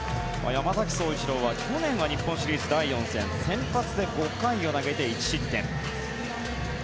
山崎颯一郎は去年は日本シリーズ第４戦先発で５回を投げて１失点。